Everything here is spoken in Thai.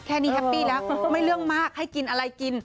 แค่นี้แฮปปี้แล้วไม่เรื่องมากให้กินอะไรกิน